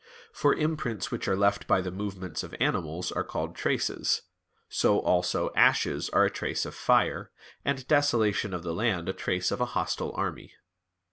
For imprints which are left by the movements of animals are called "traces": so also ashes are a trace of fire, and desolation of the land a trace of a hostile army.